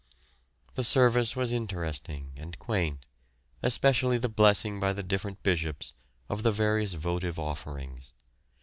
The service was interesting and quaint, especially the blessing by the different bishops of the various votive offerings.